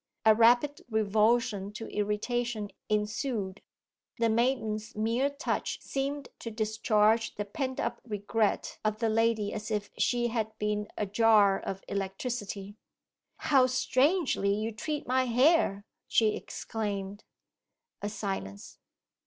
A rapid revulsion to irritation ensued. The maiden's mere touch seemed to discharge the pent up regret of the lady as if she had been a jar of electricity. 'How strangely you treat my hair!' she exclaimed. A silence.